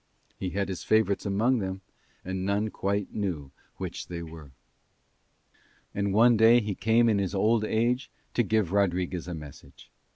He had his favourites among them and none quite knew which they were. And one day he came in his old age to give Rodriguez a message.